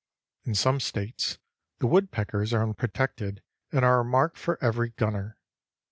In some States the woodpeckers are unprotected and are a mark for every gunner.